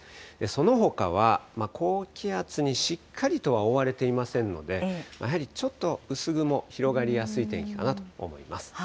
そのほかは、高気圧にしっかりとは覆われていませんので、やはりちょっと薄雲、広がりやすい天気かなと思います。